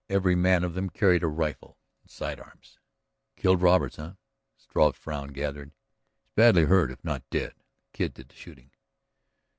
Every man of them carried a rifle and side arms." "Killed Roberts, huh?" Struve's frown gathered. "He's badly hurt, if not dead. The Kid did the shooting."